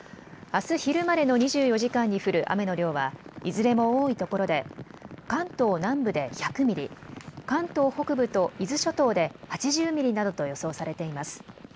あす昼までの２４時間に降る雨の量はいずれも多いところで関東南部で１００ミリ、関東北部と伊豆諸島で８０ミリなどと予想されています。